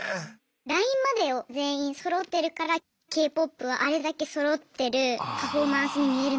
ラインまでを全員そろってるからＫ−ＰＯＰはあれだけそろってるパフォーマンスに見えるのかなって思います。